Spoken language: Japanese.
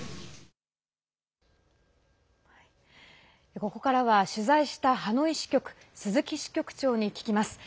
ここからは取材したハノイ支局鈴木支局長に聞きます。